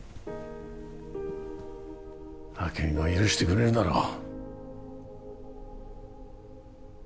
明美も許してくれるだろう